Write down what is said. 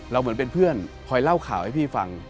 เหมือนเป็นเพื่อนคอยเล่าข่าวให้พี่ฟัง